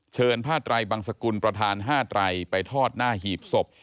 ผ้าไตรบังสกุลประธาน๕ไตรไปทอดหน้าหีบศพ